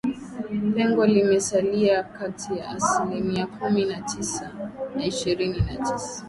Pengo limesalia kati ya asilimia kumi na tisa na ishirini na sita